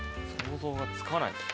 想像がつかないですね。